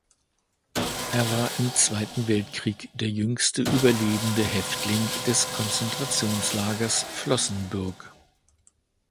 Er war im Zweiten Weltkrieg der jüngste überlebende Häftling des Konzentrationslagers Flossenbürg.